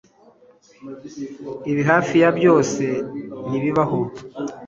Ibi hafi ya byose ntibibaho